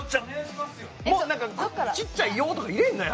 ちっちゃい「よ」とか入れんなよ。